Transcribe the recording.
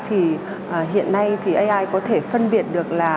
hiện nay ai có thể phân biệt được